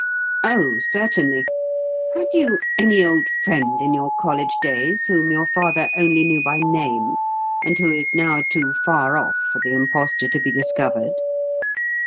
"Oh, certainly! Had you any old friend in your college days whom your father only knew by name and who is now too far off for the imposture to be discovered?"